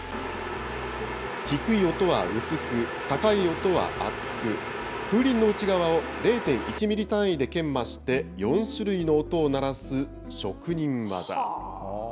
低い音は薄く、高い音は厚く、風鈴の内側を０．１ミリ単位で研磨して、４種類の音を鳴らす職人技。